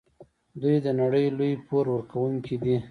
دوی د نړۍ لوی پور ورکوونکي دي.